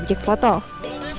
pertama kuasai medan berhasil